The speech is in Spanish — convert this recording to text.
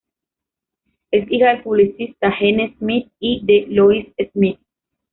Es hija del publicista Gene Smith y de Lois Smith.